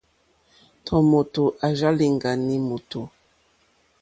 Tɔ̀ mòtò àrzá lìɡànì mòtò.